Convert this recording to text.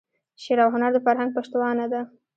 شعر او هنر د فرهنګ پشتوانه ده.